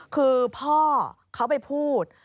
คือพ่อเขาไปพูด